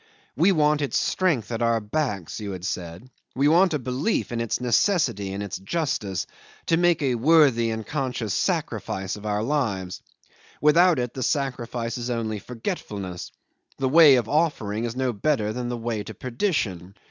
"We want its strength at our backs," you had said. "We want a belief in its necessity and its justice, to make a worthy and conscious sacrifice of our lives. Without it the sacrifice is only forgetfulness, the way of offering is no better than the way to perdition."